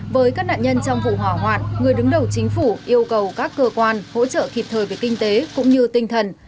với các nạn nhân trong vụ hỏa hoạt người đứng đầu chính phủ yêu cầu các cơ quan hỗ trợ kịp thời về kinh tế cũng như tinh thần